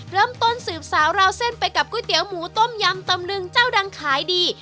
เริ่มต้นสืบสาวราวเส้นไปกับก๋วยเตี๋ยวหมูต้มยำตำลึงเจ้าดังขายดี